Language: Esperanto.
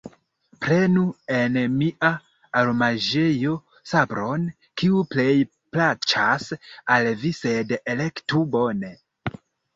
Prenu en mia armaĵejo sabron, kiu plej plaĉas al vi, sed elektu bone.